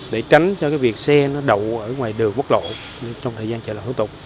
để tránh cho việc xe đậu ở ngoài đường bốc lộ trong thời gian chở lại hữu tục